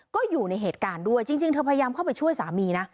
ก็อยู่ในเหตุการณ์ด้วยจริงเธอพยายามเข้าไปช่วยสามีนะ